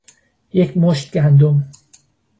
یک مشت گندم